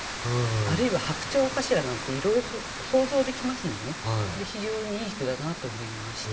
あるいは白鳥かしら？なんていろいろと想像できますので非常にいい句だなと思いました。